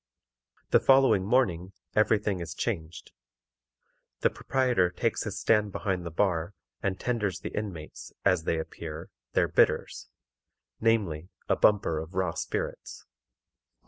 The following morning, every thing is changed. The proprietor takes his stand behind the bar, and tenders the inmates, as they appear, their "bitters," namely a bumper of raw spirits.